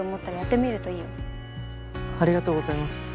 ありがとうございます。